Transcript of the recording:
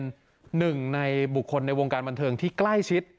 หนึ่งในบุคคลในวงการบันเทิงที่ใกล้ชิด